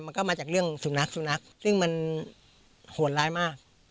มันก็มาจากเรื่องสุนัขสุนัขซึ่งมันโหดร้ายมาก